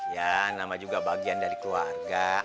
ya nama juga bagian dari keluarga